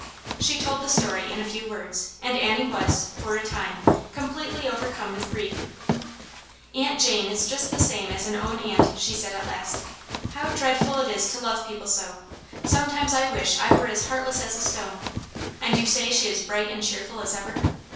She told the story in a few words, and Annie was, for a time, completely overcome with grief. '* Aunt Jane is just the same as an own aunt," she said, at last *' How dreadful it is to love people so ! Sometimes I wish I were as heartless as a stone. And you say she is bright and cheerful as ever?